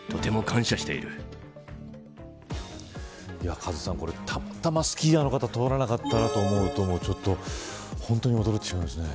カズさん、これたまたまスキーヤーの方が通りがかったと思うと本当に驚いてしまいますね。